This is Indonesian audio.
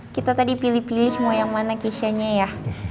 kita tadi pilih pilih semua yang mana kisha nya ya